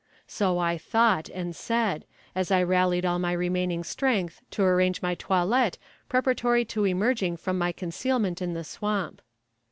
So I thought and said, as I rallied all my remaining strength to arrange my toilette preparatory to emerging from my concealment in the swamp.